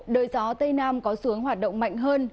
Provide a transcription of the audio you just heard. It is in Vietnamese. đời gió tây nam có xuống hoạt động mạnh hơn